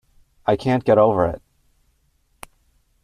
I can’t get over it.